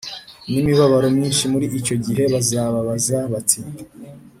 N imibabaro myinshi muri icyo gihe bazabaza bati